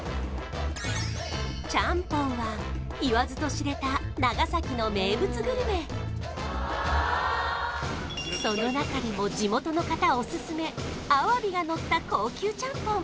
ちゃんぽんは言わずと知れた長崎の名物グルメその中でも地元の方オススメアワビがのった高級ちゃんぽん